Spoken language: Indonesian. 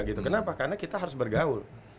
kenapa karena kita harus bergaul